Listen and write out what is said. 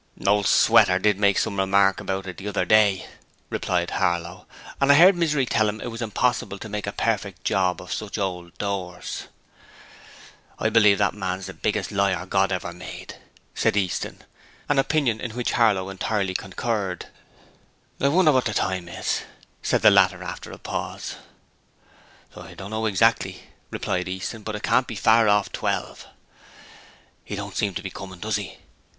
'Old Sweater did make some remark about it the other day,' replied Harlow, 'and I heard Misery tell 'im it was impossible to make a perfect job of such old doors.' 'I believe that man's the biggest liar Gord ever made,' said Easton, an opinion in which Harlow entirely concurred. 'I wonder what the time is?' said the latter after a pause. 'I don't know exactly,' replied Easton, 'but it can't be far off twelve.' ''E don't seem to be comin', does 'e?'